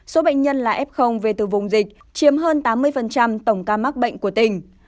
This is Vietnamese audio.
số bệnh nhân là f về từ vùng dịch chiếm hơn tám mươi tổng ca mắc bệnh của tỉnh